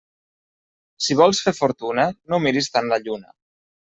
Si vols fer fortuna, no miris tant la lluna.